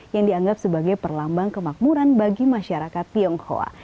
yang dianggap sebagai perlambang kemakmuran bagi masyarakat tionghoa